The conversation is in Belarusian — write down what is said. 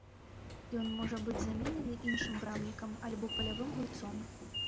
Ён можа быць заменены іншым брамнікам альбо палявым гульцом.